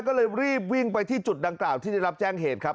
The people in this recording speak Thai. ก็เลยรีบวิ่งไปที่จุดดังกล่าวที่ได้รับแจ้งเหตุครับ